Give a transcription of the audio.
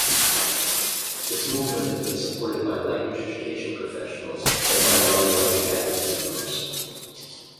This movement has been supported by language education professionals and minority language advocacy groups.